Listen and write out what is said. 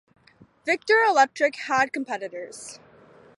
Victor Electric had competitors.